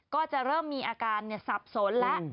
ก็จะเริ่มมีอาการสับสนแล้ว